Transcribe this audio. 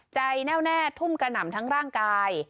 แน่วแน่ทุ่มกระหน่ำทั้งร่างกาย